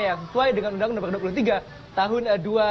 yang sesuai dengan undang no dua puluh tiga tahun dua ribu lima belas